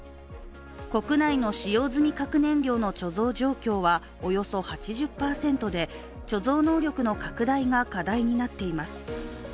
国内の使用済み核燃料の貯蔵状況はおよそ８０％で、貯蔵能力の拡大が課題になっています。